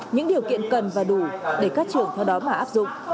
những điều kiện cần và đủ để các trường theo đó mà áp dụng